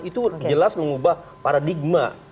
itu jelas mengubah paradigma